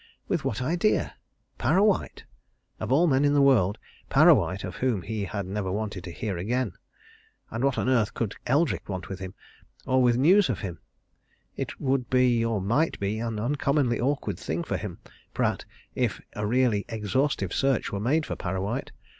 With what idea? Parrawhite! of all men in the world Parrawhite, of whom he had never wanted to hear again! And what on earth could Eldrick want with him, or with news of him? It would be or might be an uncommonly awkward thing for him, Pratt, if a really exhaustive search were made for Parrawhite.